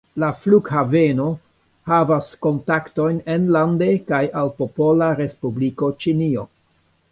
La flughaveno havas kontaktojn enlande kaj al Popola Respubliko Ĉinio.